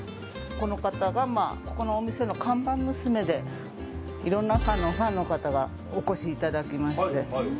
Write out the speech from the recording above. この方がここのお店の看板娘でファンの方がお越しいただきまして。